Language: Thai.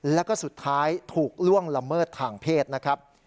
แล้วก็สุดท้ายถูกล่วงละเมิดทางเพศนะครับ